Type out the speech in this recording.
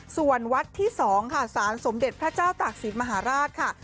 ส่วนวัดที่สองค่ะศาลสมเด็จพระเจ้าต่างสินมหาราชค่ะ